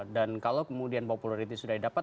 dan kalau kemudian popularity sudah didapat